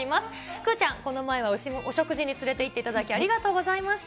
くぅちゃん、この前はお食事に連れて行っていただき、ありがとうございました！